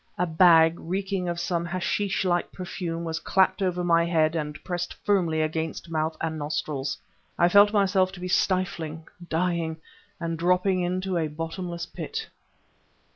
A bag, reeking of some hashish like perfume, was clapped over my head and pressed firmly against mouth and nostrils. I felt myself to be stifling dying and dropping into a bottomless pit.